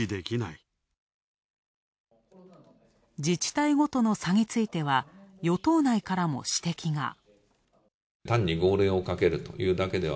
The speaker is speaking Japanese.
自治体ごとの差については与党内からも指摘が。